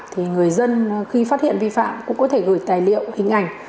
thì người dân khi phát hiện vi phạm cũng có thể gửi tài liệu hình ảnh